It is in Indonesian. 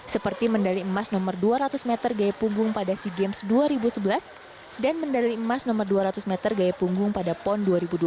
seperti medali emas nomor dua ratus meter gaya punggung pada sea games dua ribu sebelas dan medali emas nomor dua ratus meter gaya punggung pada pon dua ribu dua puluh